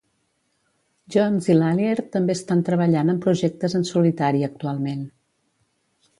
Jones i Lallier també estan treballant en projectes en solitari actualment.